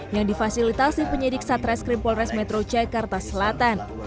yang difasilitasi penyidik satreskrim polres metro jakarta selatan